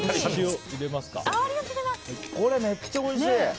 これめっちゃおいしい！